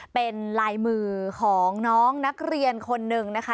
เป็นลายมือของน้องนักเรียนคนหนึ่งนะคะ